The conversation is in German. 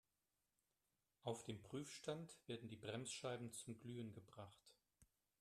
Auf dem Prüfstand werden die Bremsscheiben zum Glühen gebracht.